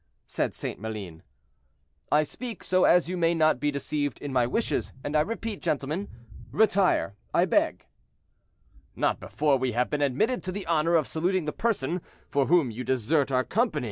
said St. Maline. "I speak so as you may not be deceived in my wishes, and I repeat, gentlemen, retire, I beg." "Not before we have been admitted to the honor of saluting the person for whom you desert our company. M.